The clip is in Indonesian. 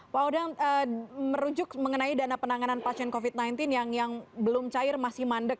pak odang merujuk mengenai dana penanganan pasien covid sembilan belas yang belum cair masih mandek